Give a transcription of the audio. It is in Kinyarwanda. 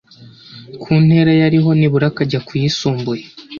ku ntera yariho nibura akajya ku yisumbuye